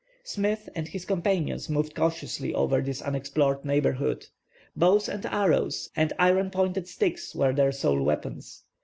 Smith and his companions moved cautiously over this unexplored neighborhood. Bows and arrows and iron pointed sticks were their sole weapons.